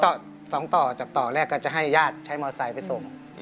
ก็คือ๒ต่อจากต่อแรกก็จะให้ญาติใช้มอเซอร์ไซด์ไปส่ง